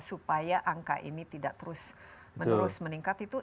supaya angka ini tidak terus menerus meningkat itu